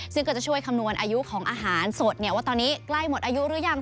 ซึ่งก็จะช่วยคำนวณอายุของอาหารสดว่าตอนนี้ใกล้หมดอายุหรือยัง